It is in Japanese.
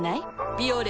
「ビオレ」